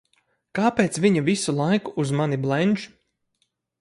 Kāpēc viņa visu laiku uz mani blenž?